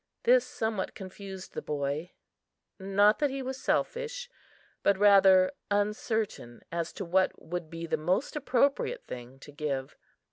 This somewhat confused the boy; not that he was selfish, but rather uncertain as to what would be the most appropriate thing to give.